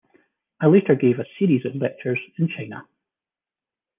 I later gave a series of lectures in China.